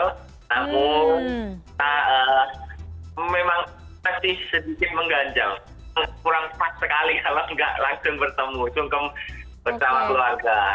namun memang masih sedikit mengganjal kurang pas sekali kalau nggak langsung bertemu sungkem bersama keluarga